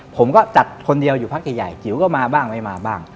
ผมก็จัดคนเดียวอยู่พักใหญ่จิ๋วก็มาบ้างไม่มาบ้าง